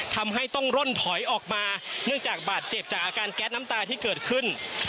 ทำให้ต้องร่นถอยออกมาเนื่องจากบาดเจ็บจากอาการแก๊สน้ำตาที่เกิดขึ้น